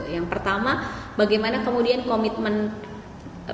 yang pertama bagaimana kemudian komite presiden